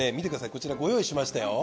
こちらご用意しましたよ。